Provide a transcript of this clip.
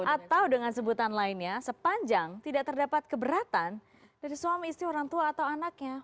atau dengan sebutan lainnya sepanjang tidak terdapat keberatan dari suami istri orang tua atau anaknya